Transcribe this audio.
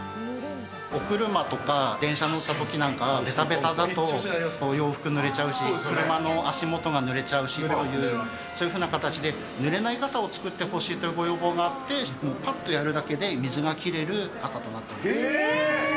お車とか電車に乗ったときなんかべたべただと、洋服ぬれちゃうし、車の足元ぬれちゃうしということで、そういうふうな形で、ぬれない傘を作ってほしいというのがあって、ぱっとやるだけで水が切れる傘となっています。